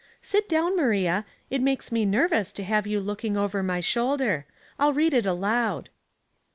Sit down, Maria ; it makes me nervous to have you look ing over my shoulder. I'll read it aloud."